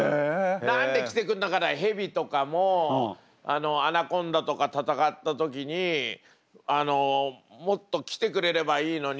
何で来てくれなかった蛇とかもアナコンダとか戦った時にもっと来てくれればいいのに。